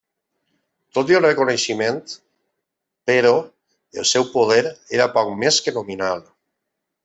Tot i el reconeixement, però, el seu poder era poc més que nominal.